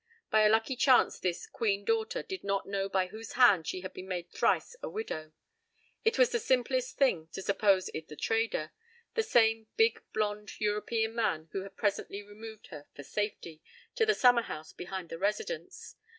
By a lucky chance this "Queen Daughter" did not know by whose hand she had been made thrice a widow; it was the simplest thing to suppose it the trader, the same big, blond, European man who had presently removed her "for safety" to the summer house behind the Residence.